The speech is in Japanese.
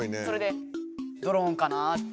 それでドローンかな。